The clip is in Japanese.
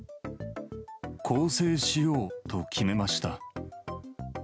更生しようと決めました。